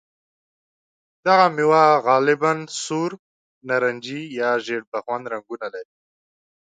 دغه مېوه غالباً سور، نارنجي یا ژېړ بخن رنګونه لري.